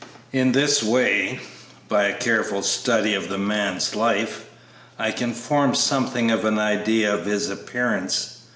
In this way, by a careful study of a man's life, I can form something of an idea of his appearance.